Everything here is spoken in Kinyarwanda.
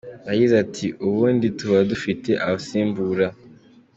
Yagize ati “Ubundi tuba dufite abasimbura.